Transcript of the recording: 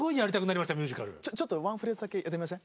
ちょっとワンフレーズだけやってみません？